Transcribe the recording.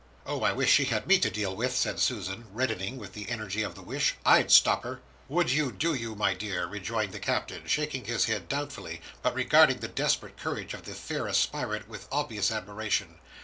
"Oh! I wish she had me to deal with!" said Susan, reddening with the energy of the wish. "I'd stop her!" "Would you, do you, my dear?" rejoined the Captain, shaking his head doubtfully, but regarding the desperate courage of the fair aspirant with obvious admiration.